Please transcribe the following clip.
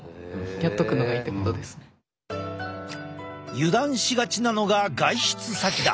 油断しがちなのが外出先だ！